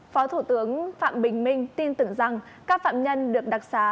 phó thủ tướng phạm bình minh tin tưởng rằng các phạm nhân được đặc xá